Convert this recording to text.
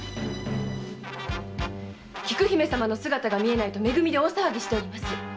菊姫様の姿が見えないとめ組で大騒ぎしております。